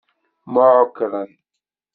Mεukkren.